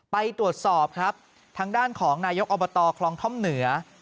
ไปตรวจสอบครับทางด้านของนายกอบตคลองท่อมเหนือ